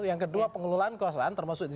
yang kedua pengelolaan kekuasaan termasuk ini